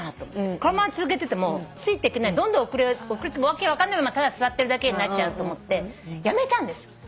このまま続けててもついていけないどんどん遅れて訳分かんないままただ座ってるだけになっちゃうと思ってやめたんです。